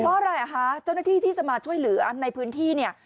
เพราะอะไรอ่ะคะเจ้าหน้าที่ที่จะมาช่วยเหลือในพื้นที่เนี่ย